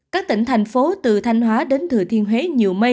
các tỉnh thành phố từ thanh hóa đến thừa thiên huế nhiều mây